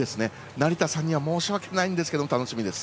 成田さんには申し訳ないんですが楽しみです。